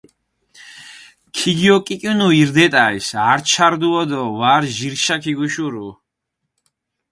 ქიგიოკიკინუ ირ დეტალს, ართშა რდუო დო ვარ ჟირშა ქიგუშურუ.